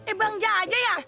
eh bang ja aja ya